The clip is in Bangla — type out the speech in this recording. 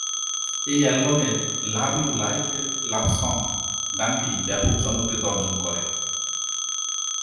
এই অ্যালবামের "love you like a love song" গানটি ব্যাপক জনপ্রিয়তা অর্জন করে।